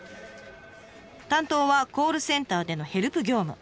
担当はコールセンターでのヘルプ業務。